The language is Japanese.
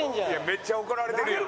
めっちゃ怒られてるやん。